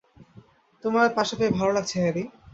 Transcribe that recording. তোমায় পাশে পেয়ে ভালো লাগছে, হ্যারি।